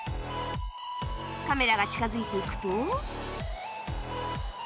カメラが近づいていくと